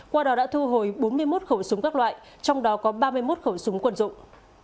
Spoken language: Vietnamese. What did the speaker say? qua đó đã thu hồi bốn mươi một khẩu súng các loại trong đó có ba mươi một khẩu súng quân dụng